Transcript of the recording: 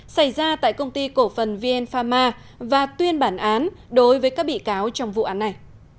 xảy ra tại công ty cổ phần vn pharma và tuyên bản án đối với các bị cáo trong vụ án này